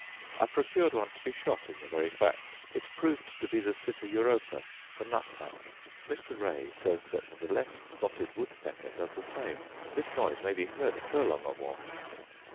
I procured one to be shot in the very fact; it proved to be the sitta europaea (the nut hatch). Mr. Ray says that the less spotted woodpecker does the same. This noise may be heard a furlong or more.